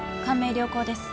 良好です。